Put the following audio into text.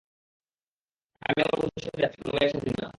আমি আমার বন্ধুর সাথে যাচ্ছি, কোন মেয়ের সাথে না!